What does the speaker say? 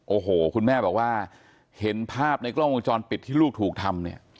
โอ้โหคุณแม่บอกว่าเห็นภาพในกล้องวงจรปิดที่ลูกถูกทำเนี่ย